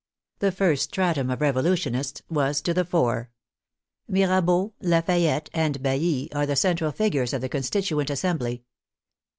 The first stratum of revo lutionists was to the fore. Mirabeau, Lafayette, and Bailly are the central figures of the Constituent Assem bly.